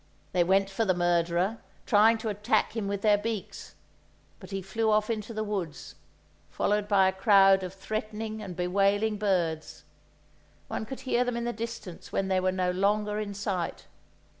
They went for the murderer, trying to attack him with their beaks; but he flew off into the woods, followed by a crowd of threatening and bewailing birds; one could hear them in the distance when they were no longer in sight.